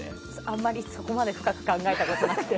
あんまりそこまで深く考えたことなくて。